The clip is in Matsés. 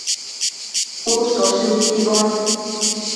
Chushcaushi utsibo